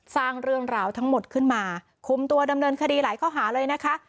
สร้างเรื่องราวทั้งหมดขึ้นมาคุมตัวดำเนินคดีหลายข้อหาเลยนะคะ